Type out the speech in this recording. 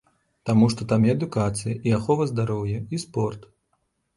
Таму што там і адукацыя, і ахова здароўя, і спорт.